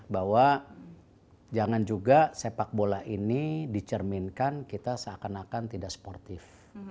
bahwa jangan juga sepak bola ini dicerminkan kita seakan akan tidak sportif